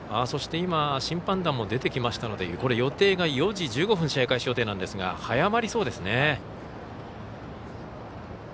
そして、審判団も出てきましたので予定が４時１５分試合開始予定なんですが早まりそうですね。